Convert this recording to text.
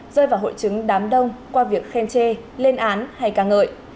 rơi vào hội chứng đám đông qua việc khen chê lên án hay ca ngợi